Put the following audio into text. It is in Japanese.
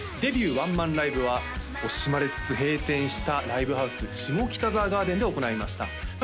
ワンマンライブは惜しまれつつ閉店したライブハウス下北沢ＧＡＲＤＥＮで行いましたまあ